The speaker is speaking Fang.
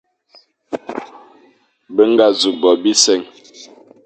Be ñga nẑu bo bise,